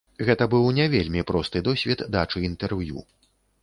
Гэта быў не вельмі просты досвед дачы інтэрв'ю.